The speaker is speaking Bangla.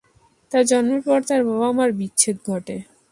তার জন্মের পর তার বাবা-মার বিচ্ছেদ ঘটে।